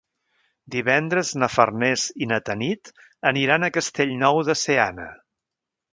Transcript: Divendres na Farners i na Tanit aniran a Castellnou de Seana.